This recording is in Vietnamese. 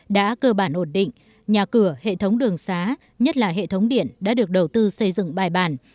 đã cơ bản ổn định nhà cửa hệ thống đường xá nhất là hệ thống điện đã được đầu tư xây dựng bài bản